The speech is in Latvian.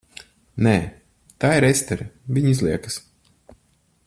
Nē. Tā ir Estere, viņa izliekas.